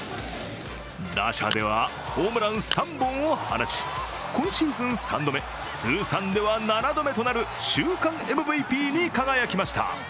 打者ではホームラン３本を放ち今シーズン３度目、通算では７度目となる週間ＭＶＰに輝きました。